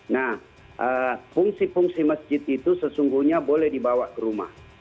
nah fungsi fungsi masjid itu sesungguhnya boleh dibawa ke rumah